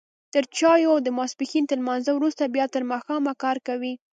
تر چايو او د ماسپښين تر لمانځه وروسته بيا تر ماښامه کار کوي.